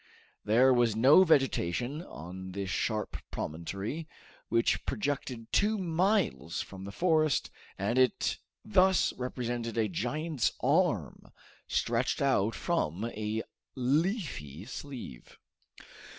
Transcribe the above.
There was no vegetation on this sharp promontory, which projected two miles from the forest, and it thus represented a giant's arm stretched out from a leafy sleeve.